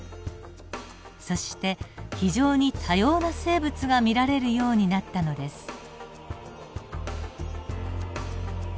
そして非常に多様な生物が見られるようになったのです。